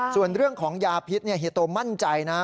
ส่วนเรื่องของยาพิษเฮียโตมั่นใจนะ